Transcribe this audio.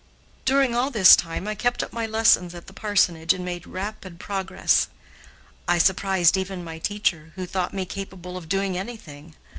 During all this time I kept up my lessons at the parsonage and made rapid progress. I surprised even my teacher, who thought me capable of doing anything.